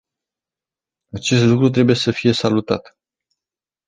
Acest lucru trebuie să fie salutat.